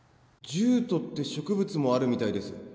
ジュートって植物もあるみたいです